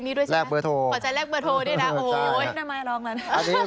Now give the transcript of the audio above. ขอใจแรกเบอร์โทดีนะ